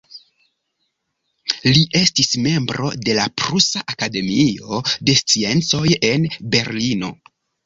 Li estis membro de la Prusa Akademio de Sciencoj en Berlino.